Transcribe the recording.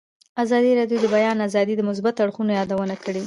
ازادي راډیو د د بیان آزادي د مثبتو اړخونو یادونه کړې.